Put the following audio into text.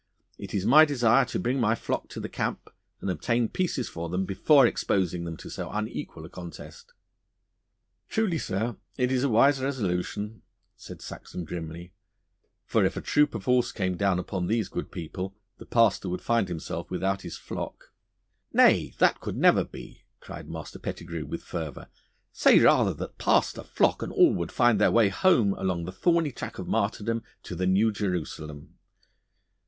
It is my desire to bring my flock to the camp and obtain pieces for them before exposing them to so unequal a contest.' 'Truly, sir, it is a wise resolution,' said Saxon grimly, 'for if a troop of horse came down upon these good people the pastor would find himself without his flock.' 'Nay, that could never be!' cried Master Pettigrue with fervour. 'Say rather that pastor, flock, and all would find their way along the thorny track of martyrdom to the new Jerusalem.